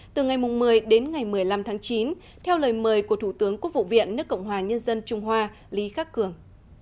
từ ngày một mươi đến ngày một mươi năm tháng chín theo lời mời của thủ tướng quốc vụ viện nước cộng hòa nhân dân trung hoa lý khắc cường